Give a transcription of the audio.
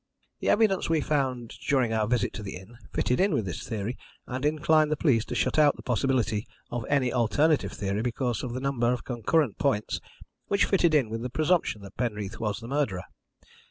"The evidence we found during our visit to the inn fitted in with this theory, and inclined the police to shut out the possibility of any alternative theory because of the number of concurrent points which fitted in with the presumption that Penreath was the murderer.